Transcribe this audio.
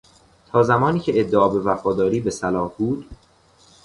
تا زمانی که ادعا به وفاداری به صلاح بود